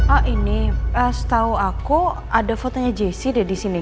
ah ini setahu aku ada fotonya jessy dari sini